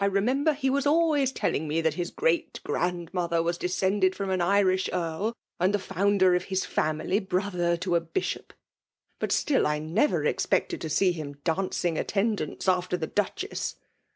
remember Jie was always telliag me that his great ^aad ttother was desoeaded &om an Irish «eari and Xke toKmdex of Us famiiy, brothdr to it faishop. But stilly I never expected to see Un dancuig attendance aftetr the Dttcliess.'